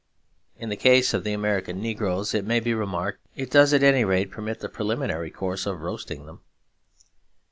In the case of the American negroes, it may be remarked, it does at any rate permit the preliminary course of roasting them.